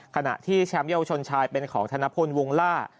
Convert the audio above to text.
ขณะที่แชมป์เยาวชนชายเป็นของธนพลวงล่า